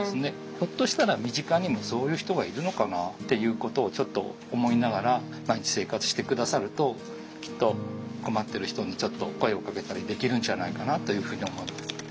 ひょっとしたら身近にもそういう人がいるのかなっていうことをちょっと思いながら毎日生活して下さるときっと困ってる人にちょっと声をかけたりできるんじゃないかなというふうに思います。